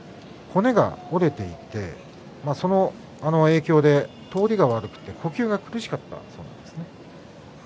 骨が折れていて、その影響で通りが悪くて呼吸が苦しかったそうです。